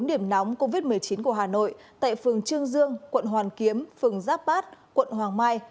điểm nóng covid một mươi chín của hà nội tại phường trương dương quận hoàn kiếm phường giáp bát quận hoàng mai